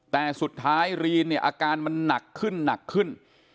แต่สุดท้ายเรนอาการคืนนักขึ้น